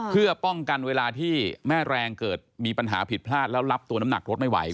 เพื่อป้องกันเวลาที่แม่แรงเกิดมีปัญหาผิดพลาดแล้วรับตัวน้ำหนักรถไม่ไหว